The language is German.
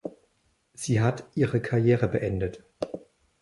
Sie hat ihre Karriere beendet.